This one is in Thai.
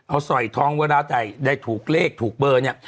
เอาสอยทองเวลาได้ถูกเลขถูกเบอร์เนี่ย